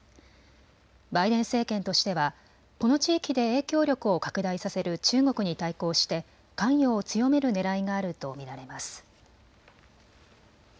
バイデン政権としてはこの地域で影響力を拡大させる中国に対抗して関与を強めるねらいがあると見られます。